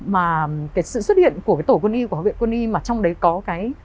mà cái sự xuất hiện của cái tổ quân y của học viện quân y mà trong đấy có cái